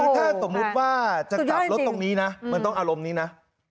ถ้าสมมุติว่าจะกลับรถตรงนี้นะมันต้องอารมณ์นี้นะ